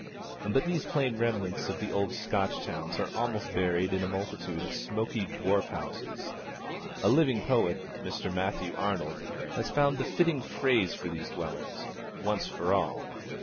But these plain remnants of the old Scotch towns are almost buried in a multitude of 'smoky dwarf houses' a living poet, Mr. Matthew Arnold, has found the fitting phrase for these dwellings, once for all.